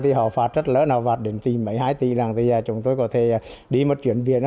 thì họ phạt rất lớn họ phạt đến tỷ mấy hai tỷ làng thì chúng tôi có thể đi một chuyển biển